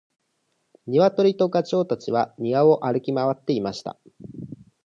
ニワトリとガチョウたちは庭を歩き回っていました。